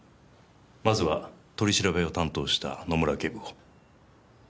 まずは取り調べを担当した野村警部補。